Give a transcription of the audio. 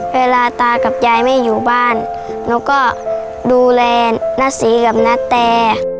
เวลาตากับยายไม่อยู่บ้านหนูก็ดูแลนาศรีกับนาแต